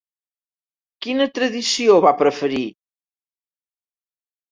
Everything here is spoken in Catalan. Quina tradició va preferir?